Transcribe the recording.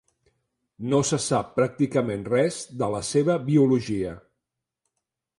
No se sap pràcticament res de la seva biologia.